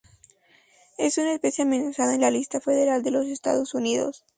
Es una especie amenazada en la lista federal de los Estados Unidos.